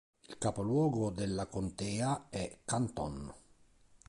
Il capoluogo della contea è Canton.